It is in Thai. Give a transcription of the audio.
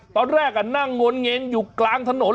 ตอนแรกนั่งงนเงนอยู่กลางถนน